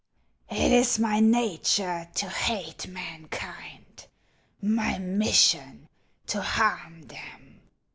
It is my nature to hate mankind, my mission to harm them.